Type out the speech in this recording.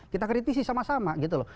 kita kritisi sama sama gitu loh